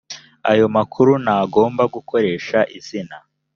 ayo makuru ntagomba gukoresha izina